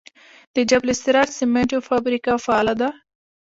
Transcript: د جبل السراج سمنټو فابریکه فعاله ده؟